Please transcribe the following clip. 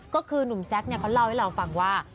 ก็คือนุ่มแซ็กเนี่ยเขาเล่าให้เราฟังว่า